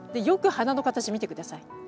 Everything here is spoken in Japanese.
よく花の形見て下さい。